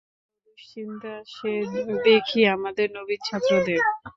যত দ্বিধা ও দুশ্চিন্তা সে দেখি আমাদের নবীন ছাত্রদের।